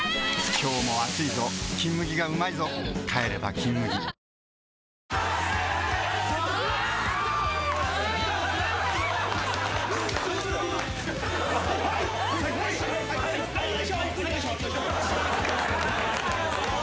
今日も暑いぞ「金麦」がうまいぞ帰れば「金麦」こい！